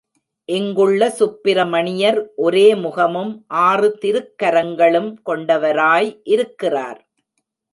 இங்குள்ள சுப்ரமணியர் ஒரே முகமும் ஆறு திருக்கரங்களும் கொண்டவராய் இருக்கிறார்.